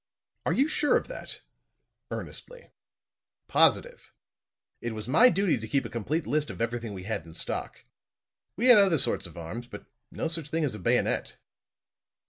"Are you sure of that?" earnestly. "Positive. It was my duty to keep a complete list of everything we had in stock. We had other sorts of arms, but no such thing as a bayonet."